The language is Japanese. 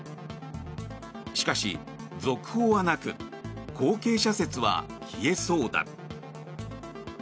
しかし、続報はなく後継者説は消えそうだ。